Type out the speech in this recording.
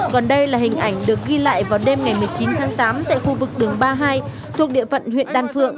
còn đây là hình ảnh được ghi lại vào đêm ngày một mươi chín tháng tám tại khu vực đường ba mươi hai thuộc địa phận huyện đan phượng